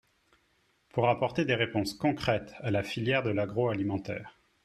pour apporter des réponses concrètes à la filière de l’agroalimentaire